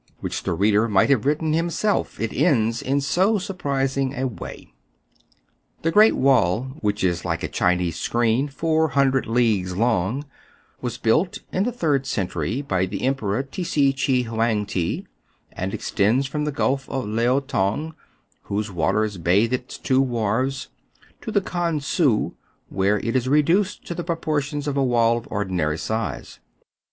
WHICH THE READER MIGHT HAVE WRITTEN HIM SELF, IT ENDS IN SO SURPRISING A WAY. The Great Wall — which is like a Chinese screen four hundred leagues long — was built in the third century by the Emperor Tisi Chi Houang Ti, and extends from the Gulf of Leao Tong, whose waters bathe its two wharves, to the Kan Sou, where it is reduced to the proportions of a wall of ordinary size.